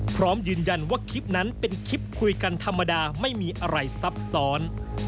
พร้อมยืนยันว่าคลิปนั้นเป็นคลิปคุยกันธรรมดาไม่มีอะไรซับซ้อน